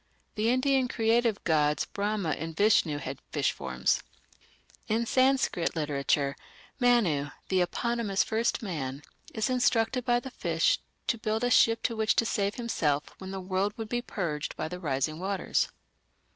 The Indian creative gods Brahma and Vishnu had fish forms. In Sanskrit literature Manu, the eponymous "first man", is instructed by the fish to build a ship in which to save himself when the world would be purged by the rising waters.